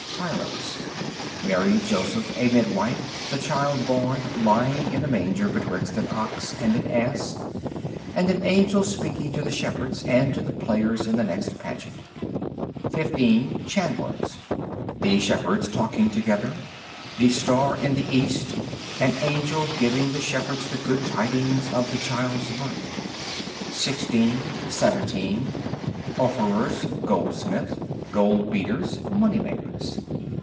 Tylers. Mary, Joseph, a midwife; the Child born, lying in a manger betwixt an ox and an ass, and an angel speaking to the shepherds, and to the players in the next pageant. 15. Chandlers. The shepherds talking together, the star in the East; an angel giving the shepherds the good tidings of the Child's birth. 16, 17. Orfevers (Goldsmiths), Goldbeaters, Moneymakers.